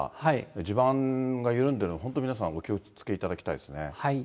地盤が緩んでいるので本当に皆さん、お気をつけいただきたいです